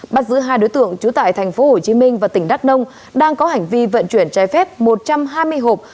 bắt giữ hai đối tượng trú tại tp hcm và tỉnh đắk nông đang có hành vi vận chuyển trái phép một trăm hai mươi hộp